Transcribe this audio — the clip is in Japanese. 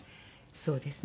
そうですね